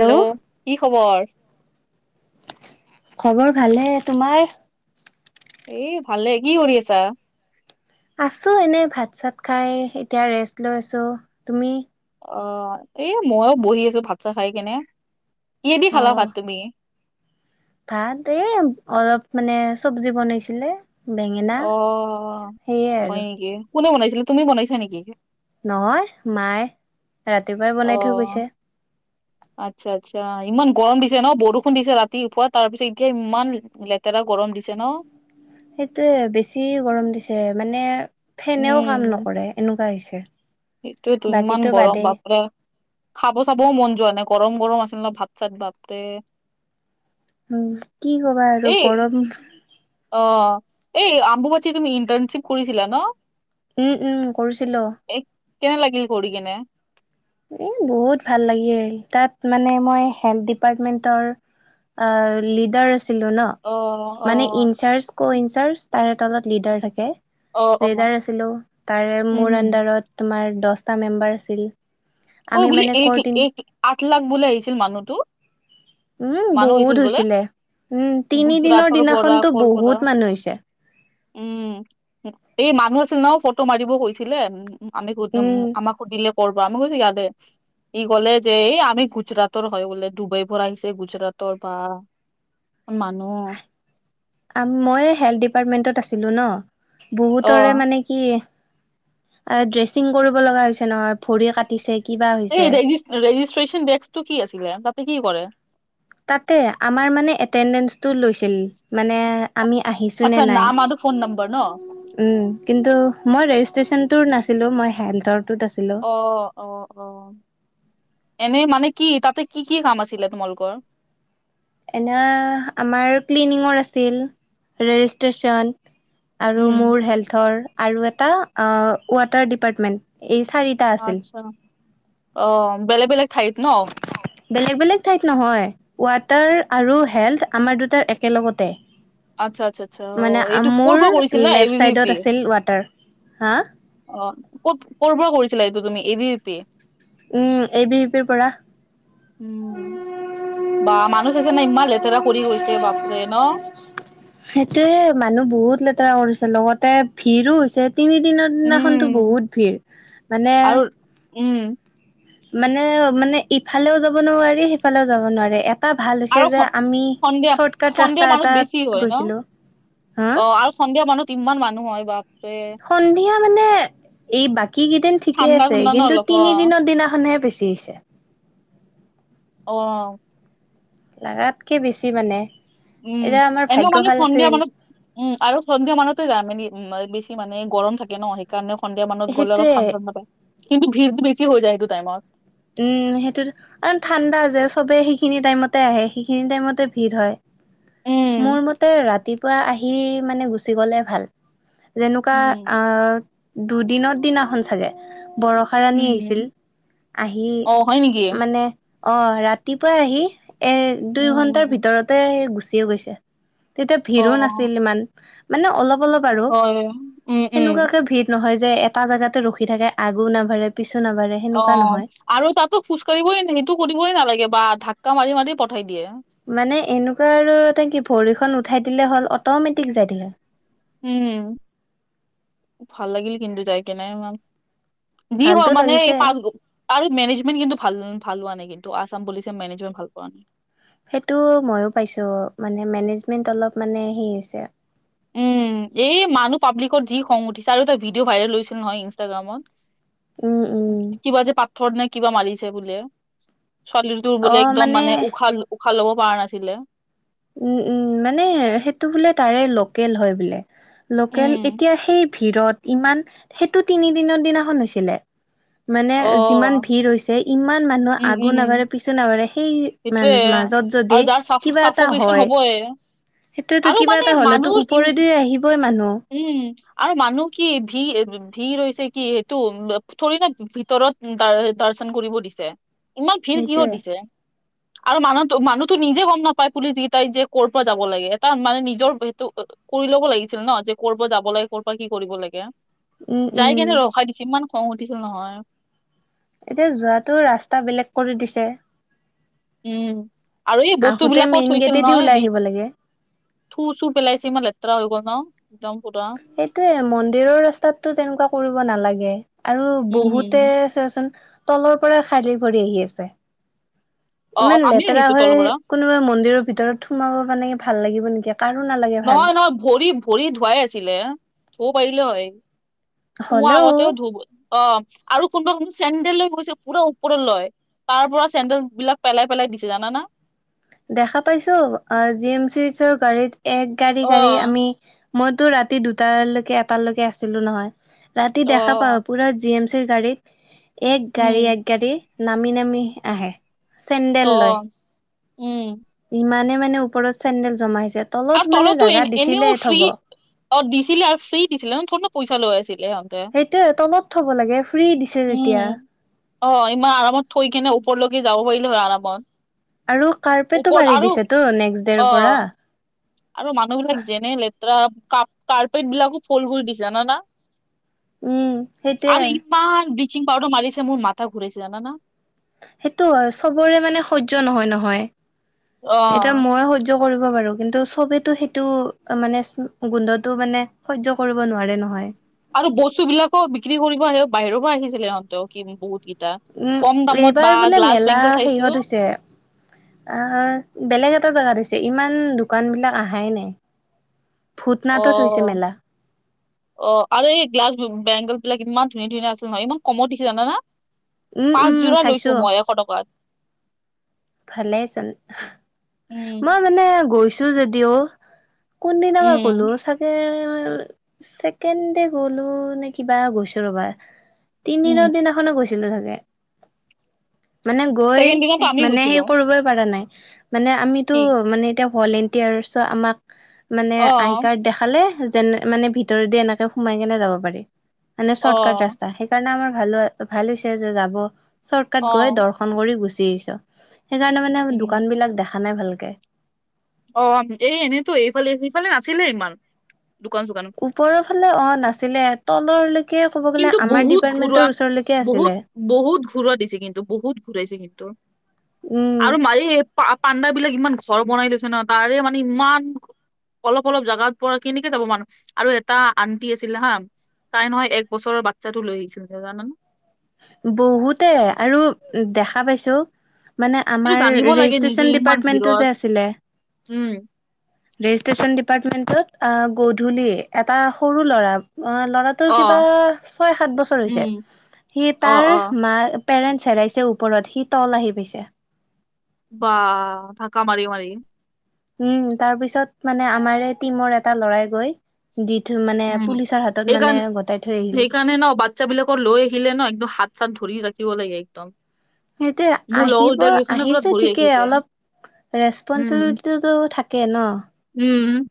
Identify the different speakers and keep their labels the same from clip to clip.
Speaker 1: Hello, কি খবৰ।
Speaker 2: খবৰ ভালে, তোমাৰ?
Speaker 1: এই ভালে, কি কৰি আছা?
Speaker 2: আছোঁ এনেই ভাত-চাত খাই, এতিয়া ৰেষ্ট লৈ আছোঁ, তুমি?
Speaker 1: অঁ, এই মইও বহি আছো ভাত-চাত খাই কেনে, কিয়েদি
Speaker 2: অ
Speaker 1: খালা ভাত তুমি?
Speaker 2: ভাত এই অলপ মানে চব্জি বনাইছিলে। বেঙেনা
Speaker 1: অঁ,
Speaker 2: সেয়ে
Speaker 1: হয়
Speaker 2: আৰু
Speaker 1: নেকি? কোনে বনাইছিলে তুমি বনাইছা নেকি?
Speaker 2: নহয়, মায়ে। ৰাতিপুৱাই বনাই থৈ
Speaker 1: অঁ।
Speaker 2: গৈছে
Speaker 1: আচ্ছা-আচ্ছা ইমান গৰম দিছে ন, বৰষুণ দিছে ৰাতিপুৱা, তাৰপিছত এতিয়া ইমান লেতেৰা গৰম দিছে ন?
Speaker 2: সেইটোয়ে বেছি গৰম দিছে মানে ফেনেও
Speaker 1: উম
Speaker 2: কাম নকৰে এনেকুৱা হৈছে।
Speaker 1: সেইটোয়েটো ইমান
Speaker 2: বাকীতো
Speaker 1: গৰম
Speaker 2: বাদেই
Speaker 1: বাপৰে। খাব-চাবও মন যোৱা নাই গৰম-গৰম আছে ন ভাত-চাত বাপৰে।
Speaker 2: উম, কি কবা আৰু গৰম।
Speaker 1: অঁ, এই অম্বুবাচীত তুমি ইণ্টাৰ্নশ্বিপ কৰিছিলা ন?
Speaker 2: উম, উম, কৰিছিলো।
Speaker 1: এ কেনে লাগিল কৰি কেনে?
Speaker 2: এ বহুত ভাল লাগে তাত মানে মই হেল্থ ডিপাৰ্টমেন্টৰ অ, লিডাৰ আছিলো ন।
Speaker 1: অ অ
Speaker 2: মানে ইনচাৰ্জ, ক'ইনচাৰ্জ তাৰে তলত লিডাৰ থাকে।
Speaker 1: অ অ
Speaker 2: লিডাৰ আছিলো তাৰে মোৰ
Speaker 1: উম
Speaker 2: আন্ডাৰত তোমাৰ দহটা মেম্বাৰ আছিল।
Speaker 1: অ,
Speaker 2: আমি
Speaker 1: বোলে
Speaker 2: মানে কৰ্দিন
Speaker 1: [unintelligible] আঠ লাখ বোলে আহিছিল মানুহটো?
Speaker 2: উম,
Speaker 1: মানুহ হৈছিল
Speaker 2: বহুত
Speaker 1: বোলে
Speaker 2: হৈছিলে। উম, তিনি দিনৰ
Speaker 1: গুজৰাটৰ পৰা
Speaker 2: দিনাখনতো
Speaker 1: কৰ পৰা
Speaker 2: বহুত মানুহ হৈছে।
Speaker 1: উম, এই মানুহ আছিল ন ফটো মাৰিব কৈছিলে। আমি
Speaker 2: উম
Speaker 1: [unintelligible] আমাক সুদিলে ক'ৰবা আমি কৈছো ইয়াতে। ই কলে যে এই আমি গুজৰাটৰ হয় বোলে ডুবাইৰ পৰা আহিছে গুজৰাটৰ বা। মানুহ
Speaker 2: আ মই হেল্থ ডিপাৰ্টমেন্টত আছিলো ন,
Speaker 1: অ
Speaker 2: বহুতৰে মানে কিহ, ড্ৰেচিং কৰিব লগা হৈছে নহয় ভৰি কাটিছে। কিবা
Speaker 1: এই
Speaker 2: হৈছে
Speaker 1: ৰেজিচ ৰেজিষ্ট্ৰচন ডেস্কটো কি আছিলে তাতে কি কৰে?
Speaker 2: তাতে আমাৰ মানে এটেণ্ডেঞ্চটো লৈছিল মানে আমি আহিছোঁ নে
Speaker 1: আচ্ছা
Speaker 2: নাই।
Speaker 1: নাম আৰু ফোন নম্বৰ ন
Speaker 2: উম, কিন্তু মই ৰেজিষ্ট্ৰেশচনটোৰ নাছিলো মই হেল্থৰটোত আছিলো।
Speaker 1: অ, অ, অ, এনে মানে কি তাতে কি কি কাম আছিলে তোমালোকৰ?
Speaker 2: এনে আমাৰ ক্লিনিঙৰ আছিল, ৰেজিষ্ট্ৰেশচন আৰু
Speaker 1: উম,
Speaker 2: মোৰ হেল্থৰ আৰু এটা আ ৱাটাৰ ডিপাৰ্টমেণ্ট এই চাৰি
Speaker 1: আচ্ছা, অঁ, বেলেগ-বেলেগ ঠাইত ন?
Speaker 2: বেলেগ-বেলেগ ঠাইত নহয়। ৱাটাৰ আৰু হেল্থ আমাৰ দুটাৰ একেলগতে।
Speaker 1: আচ্ছা আচ্ছা আচ্ছা
Speaker 2: মানে
Speaker 1: অ' এইটো ক'ৰ
Speaker 2: মোৰ
Speaker 1: পৰা কৰিছিলা A B
Speaker 2: left
Speaker 1: B P?
Speaker 2: চাইডত আছিল ৱাটাৰ, হা?
Speaker 1: অ, ক'ত কৰ পৰা কৰিছিলা এইটো তুমি A B P?
Speaker 2: Um, A B পিৰ পৰা।
Speaker 1: বা, মানুহ চাইছে না ইমান লেতেৰা কৰি গৈছে বাপৰে, ন'?
Speaker 2: সেইটোয়ে, মানুহ বহুত লেতেৰা কৰিছে লগতে ভিৰো হৈছে। তিনিদিনৰ দিনাখনতো
Speaker 1: উম,
Speaker 2: বহুত ভিৰ, মানে
Speaker 1: আৰু উম।
Speaker 2: মানে মানে ইফালেও যাব নোৱাৰি সেইফালেও যাব নোৱাৰি। এ এটা ভাল
Speaker 1: আৰু
Speaker 2: হৈছে
Speaker 1: স
Speaker 2: যে আমি
Speaker 1: সন্ধিয়া
Speaker 2: চৰ্ট কাট
Speaker 1: সন্ধিয়া
Speaker 2: ৰাস্তা
Speaker 1: মানুহ বেছি হয়
Speaker 2: এটাত
Speaker 1: ন?
Speaker 2: গৈছিলো। হা
Speaker 1: অ' আৰু সন্ধিয়া মানুহ তিমানমান মানুহ হয় ভাব।
Speaker 2: সন্ধিয়া মানে এই বাকী কেইদিন ঠিকেই
Speaker 1: ঠাণ্ডা
Speaker 2: আছে
Speaker 1: ঠাণ্ডা ন
Speaker 2: কিন্তু
Speaker 1: অলপ অ'
Speaker 2: তিনিদিনৰ দিনাখনহে বেছি হৈছে।
Speaker 1: অ'।
Speaker 2: লাগাতকে বেছি মানে।
Speaker 1: উম,
Speaker 2: এতিয়া আমাৰ
Speaker 1: এনেওঁ
Speaker 2: ভাগ্য
Speaker 1: মানু্হ
Speaker 2: ভাল
Speaker 1: সন্ধিয়া
Speaker 2: আছিল
Speaker 1: মানত উম, আৰু সন্ধিয়া মানতে যাম মানে উ, বেছি মানে গৰম থাকে ন'। কাৰণে সন্ধিয়া মানত গ'লে অলপ
Speaker 2: সেইটোয়ে
Speaker 1: ঠান ঠা নাপায় কিন্তু ভিৰ বেছি হৈ যায় সেইটো টাইমত।
Speaker 2: উম, সেইটোতো কা ঠাণ্ডা যে চবেই সেইখিনি টাইমতে আহে, সেইখিনি টাইমতে ভিৰ হয়।
Speaker 1: উম
Speaker 2: মোৰ মতে ৰাতিপুৱা আহি মানে গুচি গলে ভাল। যেনেকুৱা আ,
Speaker 1: উম
Speaker 2: দুদিনৰত দিনাখন চাগে বৰষ ষা ৰণী আহিছিল,
Speaker 1: উম
Speaker 2: আহি
Speaker 1: অ হয় নেকি
Speaker 2: মানে অ' ৰাতিপুৱাই আহি এ, দুই ঘণ্টাৰ
Speaker 1: উম
Speaker 2: ভিতৰতে গুচি গৈছে, তেতিয়া
Speaker 1: অ
Speaker 2: ভিৰো নাছিল ইমান। মানে অলপ অলপ আৰু,
Speaker 1: হয় উম উম
Speaker 2: সেনেকুৱাকে ভিৰ নহয় যে এটা জাগাতে ৰখি থাকে আগো নাভাৰে পিছো নাভাৰে।
Speaker 1: অ' আৰু তাতো খোজ কঢ়িবই, সেইটো কৰিবই নালাগে বা ধাক্কা মাৰি মাৰি পঠাই দিয়ে।
Speaker 2: মানে এনেকুৱা আৰু এ, কি ভৰিখন উঠাই দিলে হ'ল অট'মেটিক যাই থাকে।
Speaker 1: উম, ভাল লাগিল কিন্তু যাই কেনে ইমান। যি
Speaker 2: ভালতো
Speaker 1: হয় মানে এই
Speaker 2: লাগিছে।
Speaker 1: পাঁচ গ আৰু মেনেজমেট কিন্তু ভাল ভাল হোৱা নাই কিন্তু, আছাম পুলিচে মেনেজমেণ্ট ভাল কৰা নাই।
Speaker 2: সেইটো ময়ো পাইছোঁ মানে মেনেজমেন্ট অলপ মানে হে হৈছে।
Speaker 1: উম, এই মানুহ পাব্লিকত যি খং উঠিছে আৰু এটা ভিডিঅ' ভাইৰেল হৈছিল নহয় ইনষ্টাগ্ৰামত।
Speaker 2: উম উম
Speaker 1: কিবা যে পাথৰ নে কিবা মাৰিছে বোলে। ছোৱালীটোৰ বোলে একদম মানে উশা উশাহ ল'ব পাৰা নাছিলে।
Speaker 2: উম, উম, মানে সেইটো বোলে তাৰে ল'কেল হয় বোলে। ল'কেল
Speaker 1: উম,
Speaker 2: এতিয়া সেই ভিৰত ইমান, সেইটো তিনিদিনৰ দিনাখন হৈছিলে। মানে যিমান
Speaker 1: অ',
Speaker 2: ভিৰ হৈছে ইমান মানুহ
Speaker 1: উম,
Speaker 2: আগো
Speaker 1: উম,
Speaker 2: নাভাৰে পিছো নাভাৰে সেই মান
Speaker 1: সেইটোয়ে
Speaker 2: মাজত যদি
Speaker 1: আৰু যাৰ চাফ
Speaker 2: কিবা এ টা
Speaker 1: চাফকেচন
Speaker 2: হয়,
Speaker 1: হ'বয়ে
Speaker 2: সেইটোৱেটো
Speaker 1: আৰু
Speaker 2: কিবা
Speaker 1: মানে
Speaker 2: এটা হ'লেতো
Speaker 1: মানুহৰ ইম
Speaker 2: ওপৰেদি আহিবই মানুহ।
Speaker 1: উম, আৰু মানুহ কি ভি-ভিৰ ৰৈছে কি সেইটো থৰি না ভিতৰত দাৰ দাৰচন কৰিব দিছে, ইমান ভিৰ কিহৰ
Speaker 2: সেইটোয়ে
Speaker 1: দিছে। আৰু মানুহটো মানুহতো নিজে গ'ম নাপায় পুলিচকেইটাই যে কৰ'ৰ পৰা যাব লাগে, এটা মানে নিজৰ সেইটো কৰি ল'ব লাগিছিল ন' যে কৰিব যাব লাগে ক'ৰ কি কৰিব লাগে।
Speaker 2: উম উম
Speaker 1: যাই কেনে ৰখাই দিছে, ইমান খং উঠিছে নহয়।
Speaker 2: এতিয়া যোৱাটোওঁ ৰাস্তা বেলেগ কৰি দিছে।
Speaker 1: উম, আৰু এই
Speaker 2: আহোতে
Speaker 1: বস্তুবিলাকো
Speaker 2: মেইন
Speaker 1: থৈছিল
Speaker 2: গেটেদি
Speaker 1: নহয়
Speaker 2: ওলাই
Speaker 1: বি
Speaker 2: আহিব লাগে।
Speaker 1: থু চু পেলাইছি, ইমান লেতেৰা হৈ গ' ন'? একদম পুৰা।
Speaker 2: সেইটোৱে মন্দিৰৰ ৰাস্তাততো তেনেকুৱা কৰিব নালাগে। আৰু বহুতে
Speaker 1: উম
Speaker 2: চোৱাচোন তলৰপৰা খালি ভৰি আহি আছে।
Speaker 1: অ অ
Speaker 2: ইমান
Speaker 1: আমি
Speaker 2: লেতেৰা
Speaker 1: আহিছো
Speaker 2: হৈ
Speaker 1: তলৰ পৰা
Speaker 2: কোনোবা মন্দিৰৰ ভিতৰত সোমাব মানে ভাল লাগিব নেকি, কাৰো নালাগে। ভাল।
Speaker 1: নহয় নহয় ভৰি ভৰি ধুৱাই আছিলে, ধুব পাৰিলে হয়। সোমোৱা
Speaker 2: হ'লেও
Speaker 1: আগতেও ধুব, অ' আৰু কোনোবা কোন চেণ্ডেল লৈ গৈছে পুৰা ওপৰলৈ। তাৰপৰা চেণ্ডেলবিলাক পেলাই পেলাই দিছে জানানা?
Speaker 2: দেখা পাইছোঁ অহ, জি এম চিচৰ গাড়ীত এক গাড়ী গাড়ী
Speaker 1: অ
Speaker 2: আমি মইতো ৰাতি দুটালৈকে এটালৈকে আছিলোঁ নহয়। ৰাতি দেখা
Speaker 1: অ',
Speaker 2: পাওঁ পুৰা জি এম চি গাড়ীত, এক
Speaker 1: উম,
Speaker 2: গাড়ী এক গাড়ী নামি-নামি আহে। চেণ্ডেল লয়।
Speaker 1: অহ', উম'।
Speaker 2: ইমানে মানে ওপৰত চেন্দেল জমা হৈছে তলত মানে জোগা দিছিলেই থব।
Speaker 1: অহ, দিছিলে আৰু ফ্ৰী দিছিলে ন, ক'ত পইচা লৈ আছিলে সিহঁতে।
Speaker 2: সেইটোৱে তনত থব লাগে ফ্ৰী দিছে যেতিয়া।
Speaker 1: অহ, ইমান আৰামত থৈ কেনে ওপৰলৈকে যাব পাৰিলে হয় আৰামত।
Speaker 2: আৰু কাৰ্পেটো
Speaker 1: ওপৰত
Speaker 2: বাঢ়ি
Speaker 1: আৰু
Speaker 2: দিছে তো নেক্সটডেৰ পৰা।
Speaker 1: অ', আৰু মানুহবিলাক যেনে লেতেৰা কা-কাৰ্পেটবিলাকো ফ্ৰল কৰি দিছো ন' না।
Speaker 2: উম' সেইটোৱে।
Speaker 1: ইমান ব্লিচিং পউডাৰ মাৰিছে মোৰ মাথা ঘুৰাইছে জানানা?
Speaker 2: সেইটো হয় চবৰে মানে সহ্য নহয়-নহয়। এতিয়া
Speaker 1: অ',
Speaker 2: মই সহ্য সহ্য কৰিব পাৰোঁ কিন্তু চবেতো সেইটো মানে গোন্ধতটো মানে সহ্য কৰিব নোৱাৰে নহয়।
Speaker 1: আৰু বস্তুবিলাকো বিক্ৰী কৰিব আহে, বাহিৰৰ পৰা আহিছিলে সিহঁতেও কিন্তু কি
Speaker 2: উম,
Speaker 1: কম দামত বা
Speaker 2: এইবাৰ বোলে
Speaker 1: গ্লাছ
Speaker 2: মেলা
Speaker 1: বেংগল চাইছো
Speaker 2: শেহত হৈছে। অহ, বেলেগ এটা জোগাত হৈছে, ইমান দোকানবিলাক আহাই নাই। [inaudible] হৈছে
Speaker 1: অহ।
Speaker 2: মেলা।
Speaker 1: অহ, আৰু এই গ্লাছ বেংগলবিলাক ইমান ধুনীয়া-ধুনীয়া আছিল নহয়, ইমান কমত দিছে জানানা।
Speaker 2: উম, উম,
Speaker 1: পাঁচজোৰা
Speaker 2: চাইছো
Speaker 1: লৈছোঁ মই এশ টকাত।
Speaker 2: ভালেই চোন।
Speaker 1: উম
Speaker 2: মই মানে গৈছোঁ যদিওঁ কোনদিনা বা গ'লো
Speaker 1: উম
Speaker 2: চাগে ছেকেণ্ড দে গ'লোনে কিবা গৈছোঁ ৰবা,
Speaker 1: উম
Speaker 2: তিনিদিনৰ দিনা গৈছিলোঁ চাগে, মানে গৈ
Speaker 1: ছেকেণ্ড দিনতো আমি
Speaker 2: মানে সেই
Speaker 1: গৈছিলো
Speaker 2: কৰিবই পৰা নাই, মানে আমিটো
Speaker 1: কি
Speaker 2: মানে এতিয়া ভলেটাৰ্চ আমাক মানে
Speaker 1: অ
Speaker 2: আই কাৰ্ড দেখালে যেনে, মানে ভিতৰে দি এনেকে সোমাই কেনে যাব পাৰি। মানে
Speaker 1: অ
Speaker 2: চৰ্টকাট ৰাস্তা, সেইকাৰণে আমাৰ ভাল-ভাল হৈছে যে যাব, শৰ্ট কাট
Speaker 1: অ
Speaker 2: গৈ দ দৰ্শন কৰি গুচি আহিছোঁ, সেইকাৰণে মানে
Speaker 1: উম
Speaker 2: দোকানবিলাক দেখা নাই ভালকে।
Speaker 1: অহ, এই এনেইতো এইফালে, সেইফালে নাছিলে ইমান দোকান চোকান।
Speaker 2: ওপৰৰ ফালে অহ, নাছিলে। তললৈকে ক'ব গ'লে,
Speaker 1: কিন্তু
Speaker 2: আমাৰ
Speaker 1: বহুত ঘৰুৱা
Speaker 2: ডিপাৰ্টমেন্টৰ ওচৰলৈকে
Speaker 1: বহুত
Speaker 2: আছিলে।
Speaker 1: ঘুৰাইছে কিন্তু
Speaker 2: উম
Speaker 1: আৰু মাৰি পা-পাণ্ডাাবিলাক ইমান ঘৰ বনাই দিছে ন' তাৰে মানে ইমান অলপ-অলপ জাগাত পৰা কেনেকে যাব মানুহ আৰু এটা আণ্টি আছিলে হা তাই নহয় এক ওচৰৰ বাচ্ছাটো লৈ আহিছিল জানানা?
Speaker 2: বহুতে আৰু দেখা পাইছোঁ। মানে
Speaker 1: এইটো
Speaker 2: আমাৰ
Speaker 1: জানিব লাগে নিজে
Speaker 2: ৰেজিষ্ট্ৰেশচন
Speaker 1: ইমান
Speaker 2: ডিপাৰ্টমেন্টটো
Speaker 1: ভিৰত
Speaker 2: যে আছিলে।
Speaker 1: উম
Speaker 2: ৰেজিষ্ট্ৰেচন ডিপাৰ্টমেন্টত অহ, গধূলি এটা সৰু ল'ৰা অহ, ল'ৰা
Speaker 1: অ
Speaker 2: তোৰ কিবা ছয় সাত বছৰ হৈছে।
Speaker 1: উম
Speaker 2: সি
Speaker 1: অ
Speaker 2: তাৰ
Speaker 1: অ
Speaker 2: মা পেৰেণ্টছ হেৰাইছে ওপৰত সি তল আহি পাইছে।
Speaker 1: বাহ ধাক্কা মাৰি-মাৰি।
Speaker 2: উম, তাৰপিছত মানে আমাৰে টিমৰ এটা ল'ৰাই গৈ দি থৈ মানে পুলিচৰ হাতত মানে গটাই থৈ আহিল।
Speaker 1: জানে ন' বা বাচ্ছাবিলাকক লৈ আহিলে ন' একদম হাত-চাত ধৰি ৰাখিব লাগে একদম।
Speaker 2: সেইটোই
Speaker 1: মোৰ লগৰ
Speaker 2: আহিব,
Speaker 1: দুটা গৈছে ন পুৰা
Speaker 2: আহিছে
Speaker 1: ধৰি
Speaker 2: ঠিকে
Speaker 1: ৰাখিছে
Speaker 2: অলপ
Speaker 1: উম
Speaker 2: ৰেচপনঞ্চিবিলিটিতো থাকে ন'।
Speaker 1: উম।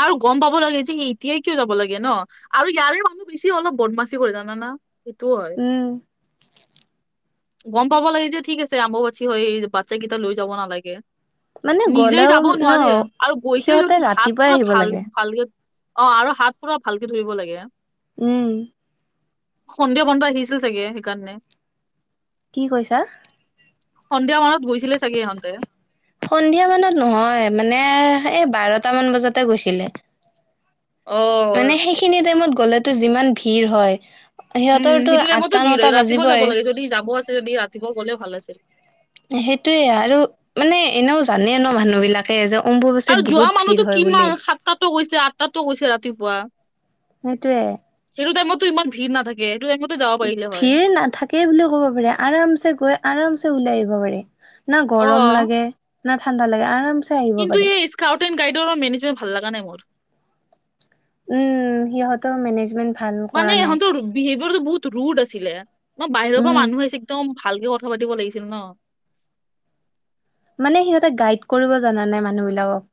Speaker 1: আৰু গম পাব লাগে যে এতিয়াই কিয় যাব লাগে ন'। আৰু ইয়াৰে মানুহ বেছি অলপ বদমাচি কৰি জানানা সেইটোও হয়।
Speaker 2: উম
Speaker 1: গম পাব লাগে যে ঠিক আছে আম্ববাচী হয় বাচ্ছাকেইটা লৈ যাব নালাগে।
Speaker 2: মানে
Speaker 1: নিজে
Speaker 2: গ'লেও
Speaker 1: যাব
Speaker 2: ন
Speaker 1: নোৱাৰে আৰু গৈছে
Speaker 2: সিহঁতে
Speaker 1: যদি ভাৱ
Speaker 2: ৰাতিপুৱাই আহিব লাগে।
Speaker 1: ভালকে অ' আৰু হাত পুৰা ভালকে ধৰিব লাগে।
Speaker 2: উম।
Speaker 1: সন্ধিয়া বন্ধ আহিছিল চাগে সেইকাৰণে।
Speaker 2: কি কৈছা?
Speaker 1: সন্ধিয়া মানত গৈছিলে চাগে সিহঁতে।
Speaker 2: সন্ধিয়া মানত নহয় মানে এই বাৰটা মান বজাতে গৈছিলে। মানে
Speaker 1: অ'।
Speaker 2: সেইখিনি টাইমত গ'লেতো যিমান ভিৰ হয়।
Speaker 1: উম
Speaker 2: সিহঁতৰতো
Speaker 1: সেইটো টাইমতো
Speaker 2: আঠটা
Speaker 1: ভিৰ
Speaker 2: নটা
Speaker 1: হয় ৰাতিপুৱা
Speaker 2: বাজিবই।
Speaker 1: যাব লাগে যদি যাব আছে যদি ৰাতিপুৱা গ'লেও ভাল আছিল।
Speaker 2: সেইটোয়ে আৰু মানে এনেও জানে ন মানুহ বিলাক যে
Speaker 1: আৰু
Speaker 2: অম্বুবাচীত
Speaker 1: যোৱা
Speaker 2: বহুত
Speaker 1: মানুহতো
Speaker 2: ভিৰ হয়
Speaker 1: কিমান
Speaker 2: বুলি।
Speaker 1: সাতটাতো গৈছে আঠটাতো গৈছে ৰাতিপুৱা।
Speaker 2: সেইটোৱে।
Speaker 1: সেইটো টাইমতো ইমান ভিৰ নাথাকে সেইটো টাইমতো যাব পাৰিলে হয়।
Speaker 2: সেই বুলিও ক'ব পাৰি আৰামছে গৈ আৰামছে উলাই আহিব পাৰি। না
Speaker 1: অ
Speaker 2: গৰম লাগে না ঠাণ্ডা লাগে আৰামচে।
Speaker 1: কিন্তু এই স্কাউট এণ্ড গাইডৰ মেনেজমেট ভাল লাগা নাই মোৰ।
Speaker 2: উম সিহঁতৰ মেনেজমেন্ট ভাল কৰা নাই।
Speaker 1: বিহেভিয়ৰটো বহুত ৰুড আছিলে ন বাহিৰৰ পৰা
Speaker 2: উম,
Speaker 1: মানুহ আহিছে একদম ভালকে কথা পাতিব লাগিছিল ন।
Speaker 2: মানে সিহঁতে গাইড কৰিব জানা নাই মানুহবিলাকক।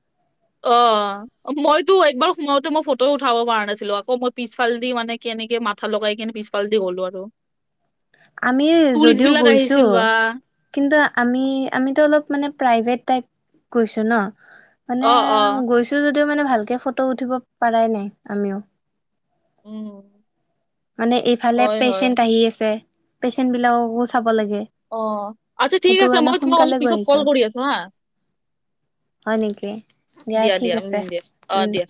Speaker 1: অ'। মইতো একবাৰ সোমাওতে মই ফটো উঠাব পৰা নাছিলো আকৌ মই পিছফালে দি মানে কেনেকে মাথা লগাই কেনে পিছ ফাল দি গ'লো আৰু।
Speaker 2: আমি
Speaker 1: টুৰিষ্ট
Speaker 2: যদিও
Speaker 1: বিলাক
Speaker 2: গৈছো
Speaker 1: আহিছিল বা
Speaker 2: কিন্তু আমি আমিতো অলপ মানে প্ৰাইভেট টাইপ গৈছো ন। মানে
Speaker 1: অ অ
Speaker 2: গৈছো যদিও মানে ভালকে ফটো উঠিব পাৰাই নাই আমিও।
Speaker 1: উম।
Speaker 2: মানে ইফালে
Speaker 1: হয় হয়
Speaker 2: পেচেণ্ট আহি আছে পেচেন্ট বিলাককো চাব লাগে।
Speaker 1: অ' আচ্ছা ঠিক
Speaker 2: সেইটো
Speaker 1: আছে
Speaker 2: কাৰণে
Speaker 1: মই তোমাক
Speaker 2: সোনকালে
Speaker 1: অলপ
Speaker 2: গৈ
Speaker 1: পিছত
Speaker 2: আহিছো
Speaker 1: কল কৰি আছো হা।
Speaker 2: হয় নেকি।
Speaker 1: দিয়া,
Speaker 2: ঠিক
Speaker 1: দিয়া, উম
Speaker 2: আছে
Speaker 1: দিয়া, অ'
Speaker 2: উম।
Speaker 1: দিয়া।